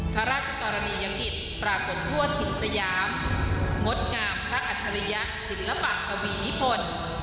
พระราชกรณียกิจปรากฏทั่วถิ่นสยามงดงามพระอัจฉริยะศิลปะปวีนิพล